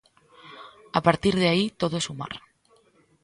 A partir de aí todo é sumar.